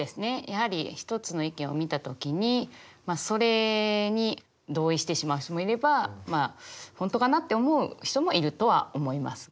やはり一つの意見を見た時にまあそれに同意してしまう人もいればまあ本当かなって思う人もいるとは思います。